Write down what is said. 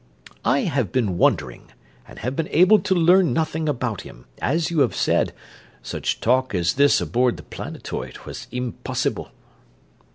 I have been wondering, and have been able to learn nothing about him; as you have said, such talk as this aboard the planetoid was impossible."